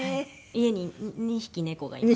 家に２匹猫がいます。